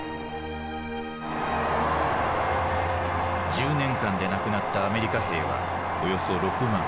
１０年間で亡くなったアメリカ兵はおよそ６万。